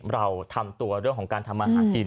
เราทำตัวเรื่องของการทำมาหากิน